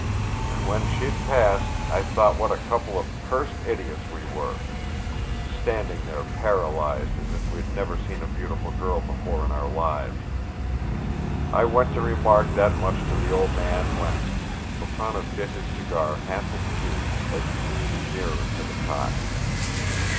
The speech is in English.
And when she'd passed I thought what a couple of cursed idiots we were, standing there paralyzed, as if we'd never seen a beautiful girl before in our lives. I went to remark that much to the Old Man when " O'Connor bit his cigar half in two as he leaned nearer to the cot.